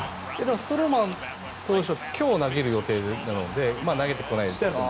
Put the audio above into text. ストローマン投手は今日投げる予定なので投げてこないかと。